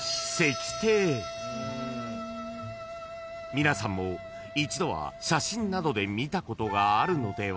［皆さんも一度は写真などで見たことがあるのでは？］